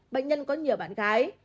bệnh nhân có nhiều bạn gái